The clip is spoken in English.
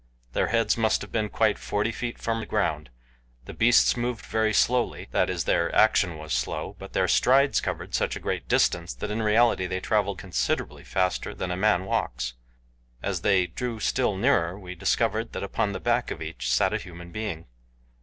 Their heads must have been quite forty feet from the ground. The beasts moved very slowly that is their action was slow but their strides covered such a great distance that in reality they traveled considerably faster than a man walks. As they drew still nearer we discovered that upon the back of each sat a human being.